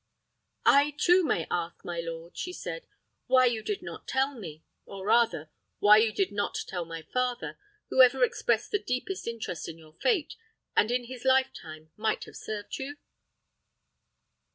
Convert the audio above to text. "I too may ask, my lord," she said, "why you did not tell me; or rather, why you did not tell my father, who ever expressed the deepest interest in your fate, and in his life time might have served you?"